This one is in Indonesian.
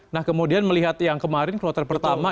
nah kemudian melihat yang kemarin kloter pertama